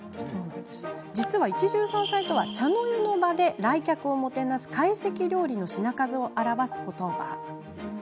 実は、一汁三菜とは茶の湯の場で来客をもてなす懐石料理の品数を表すことば。